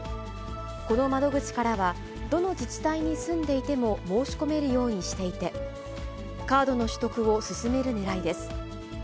この窓口からは、どの自治体に住んでいても申し込めるようにしていて、カードの取得を進めるねらいです。